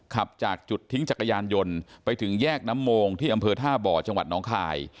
ขับจากจุดทิ้งจักรยานยนต์ไปถึงแยกน้ำโมงที่อำเภอท่าบ่อจังหวัดน้องคาย